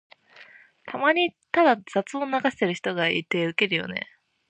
たまにただ雑音を流してる人がいてウケるよね。